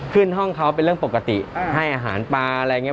ขึ้นห้องเขาเป็นเรื่องปกติให้อาหารปลาอะไรอย่างนี้